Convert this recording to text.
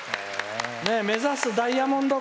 目指すダイヤモンド婚」。